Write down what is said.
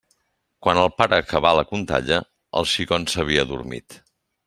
Quan el pare acabà la contalla, el xicon s'havia adormit.